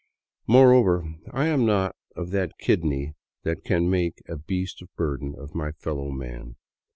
Moreover, I am not of that kidney that can make a beast of burden of my fellow man.